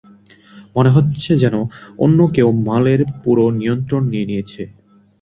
মনে হচ্ছে যেনো অন্য কেউ মলের পুরো নিয়ন্ত্রণ নিয়ে নিয়েছে।